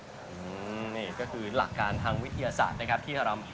อืมนี่ก็คือหลักการทางวิทยาศาสตร์นะครับที่เรา